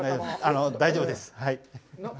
大丈夫です。